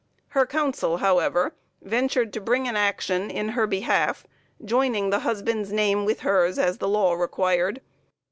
Her counsel, however, ventured to bring an action in her behalf, joining the husband's name with hers, as the law required.